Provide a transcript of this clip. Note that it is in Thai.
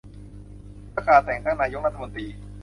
ประกาศแต่งตั้งนายกรัฐมนตรี